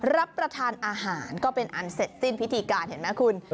รับประทานอาหารก็เป็นอันเสร็จสิ้นพิธีการเห็นไหมคุณ